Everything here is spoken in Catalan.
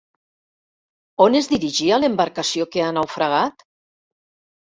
On es dirigia l'embarcació que ha naufragat?